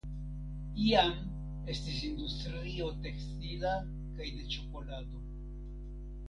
Iam estis industrio tekstila kaj de ĉokolado.